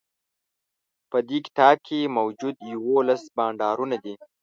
په دې کتاب کی موجود یوولس بانډارونه دي